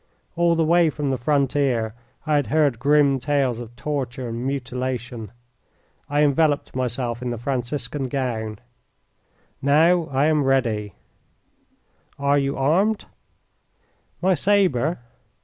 All the way from the frontier I had heard grim tales of torture and mutilation. I enveloped myself in the Franciscan gown. "Now I am ready." "Are you armed?" "My sabre."